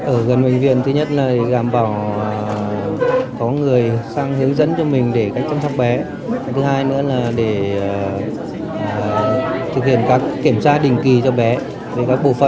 ở gần bệnh viện thứ nhất là gàm vào có người sang hướng dẫn cho mình để cách chăm sóc bé